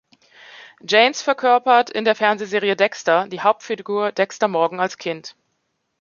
Janes verkörpert in der Fernsehserie "Dexter" die Hauptfigur Dexter Morgan als Kind.